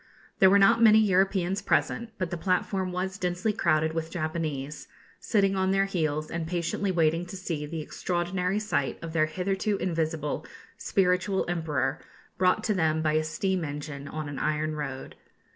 There were not many Europeans present; but the platform was densely crowded with Japanese, sitting on their heels, and patiently waiting to see the extraordinary sight of their hitherto invisible spiritual Emperor brought to them by a steam engine on an iron road.